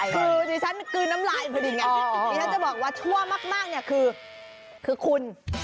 อ๋อคือคือน้ำลายคือดิฉันจะบอกว่าชั่วมากคือคุณ